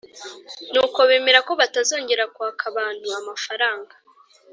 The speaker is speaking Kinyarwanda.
Nuko bemera ko batazongera kwaka abantu amafaranga